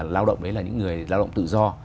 lao động đấy là những người lao động tự do